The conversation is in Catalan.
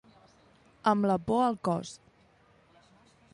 Amb la por al cos.